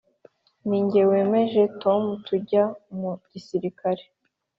ninjye wemeje tom kujya mu gisirikare.